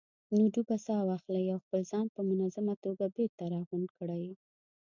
نو ډوبه ساه واخلئ او خپل ځان په منظمه توګه بېرته راغونډ کړئ.